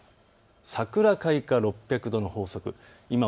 桜開花６００度の法則。